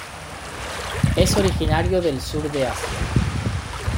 Es originario del sur de Asia.